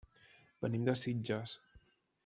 Venim de Sitges.